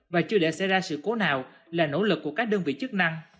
và chưa để xảy ra sự cố nào là nỗ lực của các đơn vị chức năng